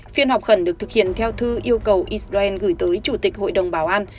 phiên họp khẩn được thực hiện theo thư yêu cầu israel gửi tới chủ tịch hội đồng bảo an